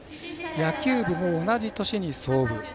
野球部も同じ年に創部。